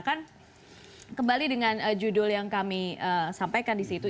kan kembali dengan judul yang kami sampaikan di situ